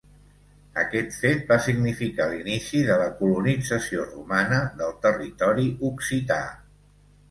Aquest fet va significar l'inici de la colonització romana del territori occità.